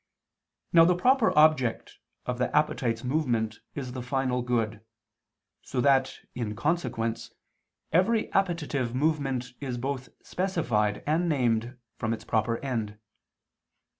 Now the proper object of the appetite's movement is the final good: so that, in consequence, every appetitive movement is both specified and named from its proper end.